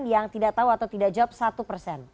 yang tidak tahu atau tidak jawab satu persen